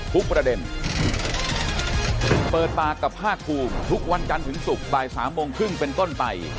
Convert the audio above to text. ทุกประเด็นเปิดปากกับภาคภูมิทุกวันจันทร์ถึงศุกร์บ่ายสามโมงครึ่งเป็นต้นไป